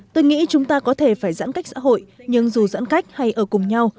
tôi nghĩ chúng ta có thể phải giãn cách xã hội nhưng dù giãn cách hay ở cùng nhau